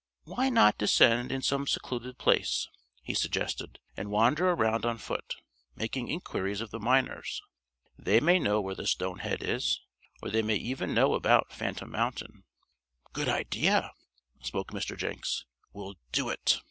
"Why not descend in some secluded place," he suggested, "and wander around on foot, making inquiries of the miners. They may know where the stone head is, or they may even know about Phantom Mountain." "Good idea," spoke Mr. Jenks. "We'll do it."